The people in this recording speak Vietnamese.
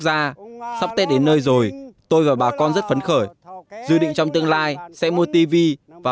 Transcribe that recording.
gia sắp tới đến nơi rồi tôi và bà con rất phấn khởi dự định trong tương lai sẽ mua tivi và